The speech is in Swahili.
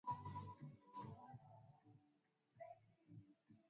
Ukali wa mateso ulitegemea siasa ya wakuu wa mikoa ya Kiroma Wakati